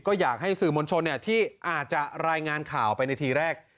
ก็อยากให้สื่อมวลชนที่อาจจะรายงานข่าวไปในทีแรก